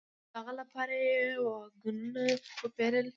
د هغه لپاره یې واګونونه وپېرل.